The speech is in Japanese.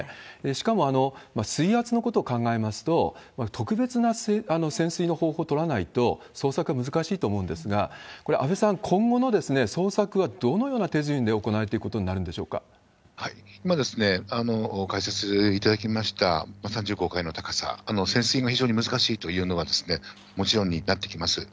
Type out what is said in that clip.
しかも、水圧のことを考えますと、特別な潜水の方法を取らないと、捜索が難しいと思うんですが、これ、安倍さん、今後の捜索はどのような手順で行われていくことになるんでしょう今、解説頂きました３５階の高さ、潜水が非常に難しいというのはもちろんになってきます。